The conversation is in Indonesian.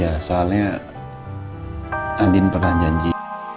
ya soalnya andin pernah janji